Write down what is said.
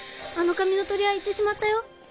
あの紙の鳥は行ってしまったよ。